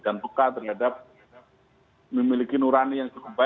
dan bukan terhadap memiliki nurani yang sangat besar